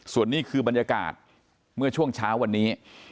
ส่วนนี้คือบรรยากาศเมื่อช่วงเช้าวันนี้